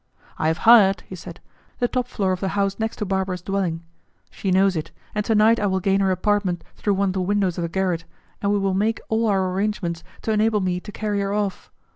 "I have hired," he said, "the top floor of the house next to Barbara's dwelling; she knows it, and to night I will gain her apartment through one of the windows of the garret, and we will make all our arrangements to enable me to carry her off.